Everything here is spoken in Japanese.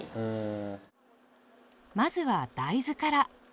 まずは大豆から。